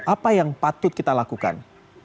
apa yang patut kita lakukan